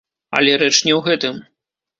Але рэч не ў гэтым!